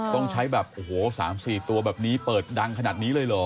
ต้องใช้แบบโอ้โห๓๔ตัวแบบนี้เปิดดังขนาดนี้เลยเหรอ